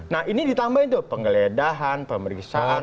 nah ini ditambahin tuh penggeledahan pemeriksaan